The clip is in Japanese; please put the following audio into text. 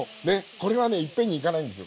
これはね一遍にいかないんですよ